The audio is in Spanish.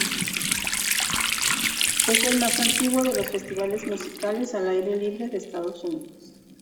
Es el más antiguo de los festivales musicales al aire libre de Estados Unidos.